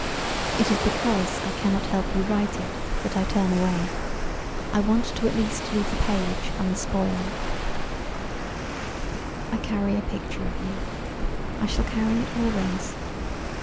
It is because I cannot help you write it that I turn away. I want at least to leave the page unspoiled. "I carry a picture of you. I shall carry it always.